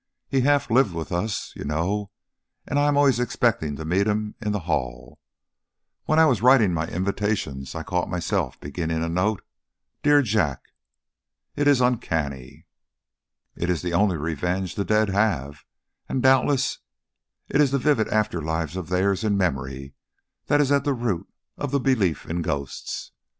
"He half lived with us, you know, and I am always expecting to meet him in the hall. When I was writing my invitations I caught myself beginning a note, 'Dear Jack.' It is uncanny." "It is the only revenge the dead have; and doubtless it is this vivid after life of theirs in memory that is at the root of the belief in ghosts.